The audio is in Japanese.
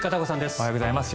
おはようございます。